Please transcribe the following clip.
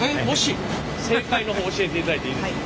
正解の方教えていただいていいですか。